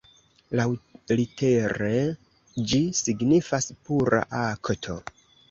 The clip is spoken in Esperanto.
Laŭlitere ĝi signifas "pura akto.